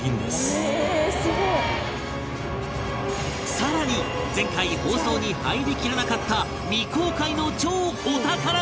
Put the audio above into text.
さらに前回放送に入りきらなかった未公開の超お宝も！